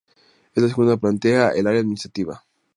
En la segunda planta el Área Administrativa.